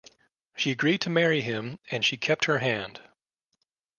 She agreed to marry him and she kept her hand.